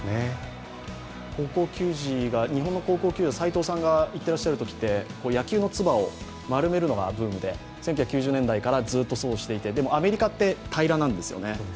日本の高校球児は斎藤さんがいらっしゃるときは野球のつばを丸めるのがブームで、１９９０年代からそうしていて、でもアメリカって平らなんですよね。